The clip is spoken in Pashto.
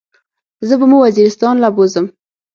زه به مو وزيرستان له بوزم.